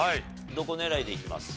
どこ狙いでいきます？